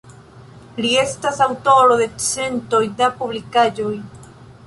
Li estas aŭtoro de centoj da publikaĵoj.